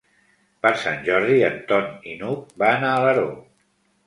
Per Sant Jordi en Ton i n'Hug van a Alaró.